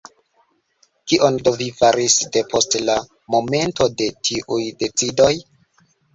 Kion do vi faris depost la momento de tiuj decidoj?